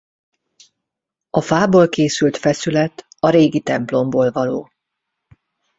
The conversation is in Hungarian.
A fából készült feszület a régi templomból való.